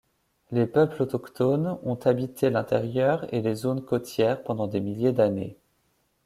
Les peuples autochtones ont habité l'intérieur et les zones côtières pendant des milliers d'années.